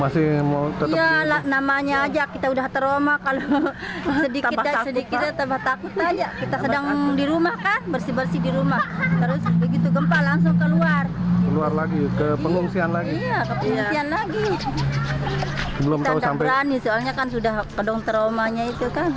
sedikit sedikit lari sedikit sedikit lari